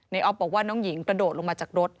ออฟบอกว่าน้องหญิงกระโดดลงมาจากรถ